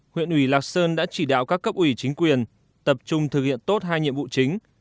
huyện ủy lạc sơn đã chỉ đạo các cấp ủy chính quyền tập trung thực hiện tốt hai nhiệm vụ chính